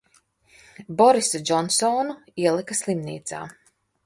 Borisu Džonsonu ielika slimnīcā.